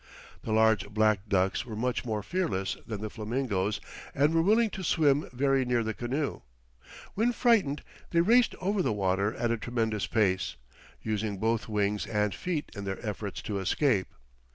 The large black ducks were much more fearless than the flamingoes and were willing to swim very near the canoe. When frightened, they raced over the water at a tremendous pace, using both wings and feet in their efforts to escape.